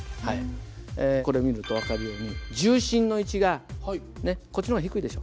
これ見ると分かるように重心の位置がこっちの方が低いでしょ？